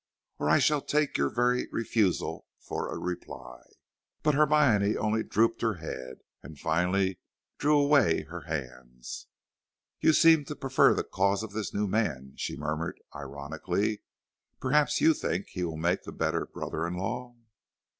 or I shall take your very refusal for a reply." But Hermione only drooped her head, and finally drew away her hands. "You seem to prefer the cause of this new man," she murmured ironically. "Perhaps you think he will make the better brother in law."